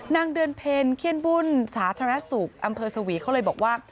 นางเดินเผนเคียนบุญศาธารสุขอำเภอสวีเขาเลยบอกว่า